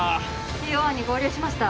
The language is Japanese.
ＴＯ１に合流しました